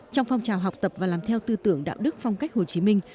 trong phong trào học tập và làm theo tư tưởng đạo đức phong cách hồ chí minh